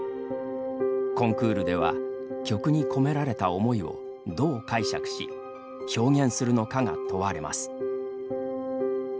コンクールでは曲に込められた思いをどう解釈し表現するのかが、問われます。